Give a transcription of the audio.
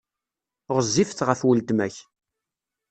Ɣezzifet ɣef weltma-k.